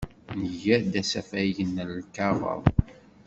Nga-d asafag n lkaɣeḍ.